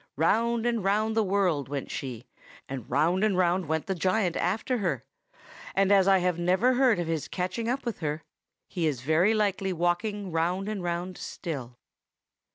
Round and round the world went she, and round and round went the giant after her; and as I have never heard of his catching up with her, he is very likely walking round and round still."